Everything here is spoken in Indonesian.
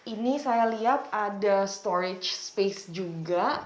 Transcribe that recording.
ini saya lihat ada storage space juga